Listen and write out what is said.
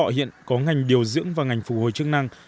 phú thọ hiện có ngành điều dưỡng và ngành phục hồi chức năng